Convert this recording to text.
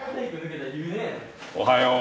おはよう。